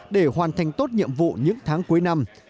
để hoàn thành tốt nhiệm vụ những tháng cuối năm